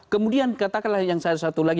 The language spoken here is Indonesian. kemudian katakanlah yang satu lagi